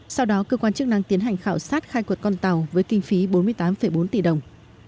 sau đó cơ quan chức năng tiến hành khảo sát khai quật con tàu với kinh phí bốn mươi tám bốn tỷ đồng